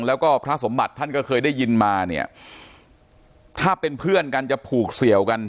แล้วก็พระสมบัติท่านก็เคยได้ยินมาเนี่ยถ้าเป็นเพื่อนกันจะผูกเสี่ยวกัน